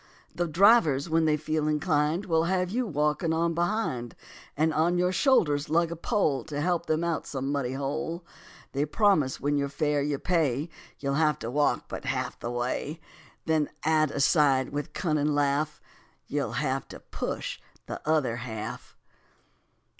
The drivers, when they feel inclined, Will have you walking on behind, And on your shoulders lug a pole To help them out some muddy hole. They promise when your fare you pay, "You'll have to walk but half the way"; Then add aside, with cunning laugh, "You'll have to push the other half."